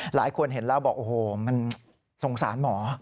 หลายคนเห็นแล้วบอกโอ้โหมันสงสารหมอ